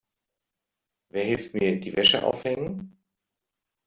Wer hilft mir die Wäsche aufhängen?